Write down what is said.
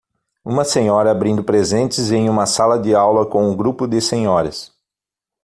Uma senhora abrindo presentes em uma sala de aula com um grupo de senhoras